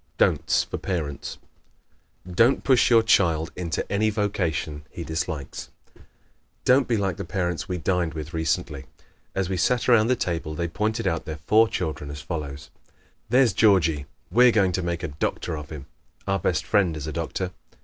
Don'ts for Parents ¶ Don't push your child into any vocation he dislikes. Don't be like the parents we dined with recently. As we sat around the table they pointed out their four children as follows: "There's Georgie we're going to make a doctor of him. Our best friend is a doctor.